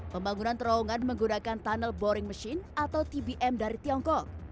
pembangunan terowongan menggunakan tunnel boring machine atau tbm dari tiongkok